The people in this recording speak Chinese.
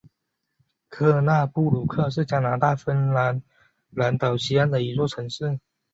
科纳布鲁克是加拿大纽芬兰岛西岸的一座城市。